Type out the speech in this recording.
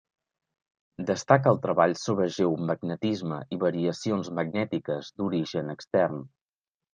Destaca el treball sobre geomagnetisme i variacions magnètiques d'origen extern.